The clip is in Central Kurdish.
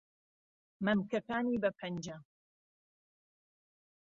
مهمکهکانی به پهنجه